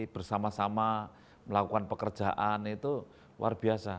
bersama sama melakukan pekerjaan itu luar biasa